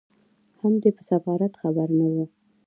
هم په دې سفارت خبر نه وو.